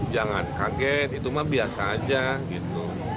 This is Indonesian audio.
jangan kaget itu mah biasa aja gitu